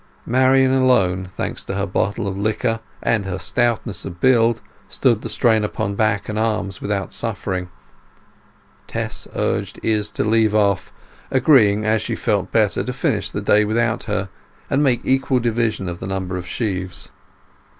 Marian alone, thanks to her bottle of liquor and her stoutness of build, stood the strain upon back and arms without suffering. Tess urged Izz to leave off, agreeing, as she felt better, to finish the day without her, and make equal division of the number of sheaves.